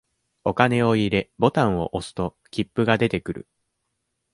お金を入れ、ボタンを押すと、切符が出てくる。